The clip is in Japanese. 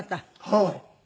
はい。